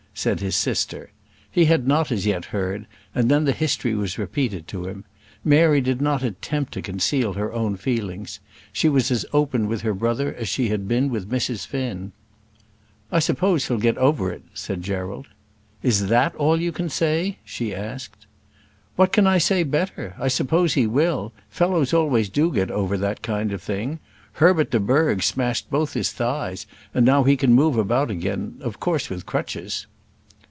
said his sister. He had not as yet heard, and then the history was repeated to him. Mary did not attempt to conceal her own feelings. She was as open with her brother as she had been with Mrs. Finn. "I suppose he'll get over it," said Gerald. "Is that all you say?" she asked. "What can I say better? I suppose he will. Fellows always do get over that kind of thing. Herbert de Burgh smashed both his thighs, and now he can move about again, of course with crutches."